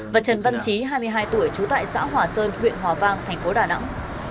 và trần văn trí hai mươi hai tuổi trú tại xã hòa sơn huyện hòa vang thành phố đà nẵng